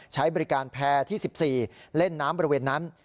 ใช้บริการแพร่ที่๑๔เล่นน้ำบริเวณนั้น